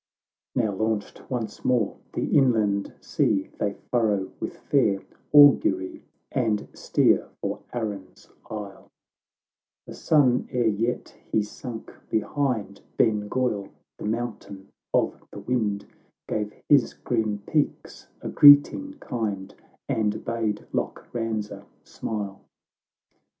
XIII Now launched once more, the inland sea They furrow with fair augury, And steer for Arran's isle ; The sun, ere vet he sunk behind Ben Ghoil, "The Mountain of the Wind," Gave his grim peaks a greeting kind, And bade Loch Banza smile.